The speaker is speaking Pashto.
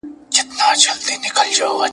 هر ګړی نوی شهید وي هر ساعت د کونډو ساندي ..